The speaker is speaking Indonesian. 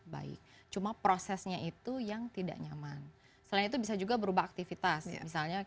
baik cuma prosesnya itu yang tidak nyaman selain itu bisa juga berubah aktivitas misalnya